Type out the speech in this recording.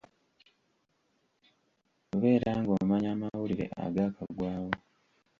Beera ng'omanya amawulire agaakagwawo.